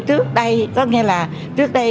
trước đây có nghĩa là trước đây